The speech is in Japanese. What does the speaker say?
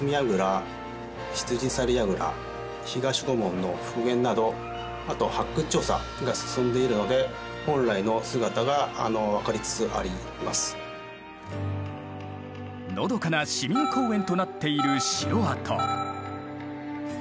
の復元などあと発掘調査が進んでいるのでのどかな市民公園となっている城跡。